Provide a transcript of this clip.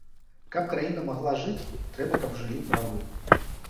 Каб краіна магла жыць, трэба, каб жылі правы.